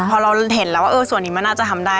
พอเราเห็นแล้วว่าส่วนนี้มันน่าจะทำได้